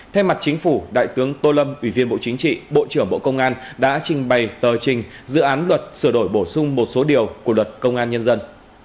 thay mặt chính phủ đại tướng tô lâm ủy viên bộ chính trị bộ trưởng bộ công an đã trình bày tờ trình dự án luật sửa đổi bổ sung một số điều của luật công an nhân dân